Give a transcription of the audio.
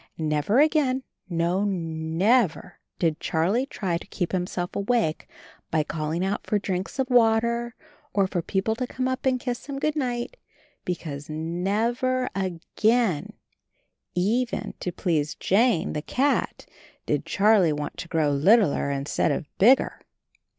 Never again, no never did Charlie try to keep himself awake by calling out for drinks of water, and for people to come up and kiss him "Good night" — because NEVER AGAIN, even to please Jane, the cat, did Char he want to grow littler instead of bigger.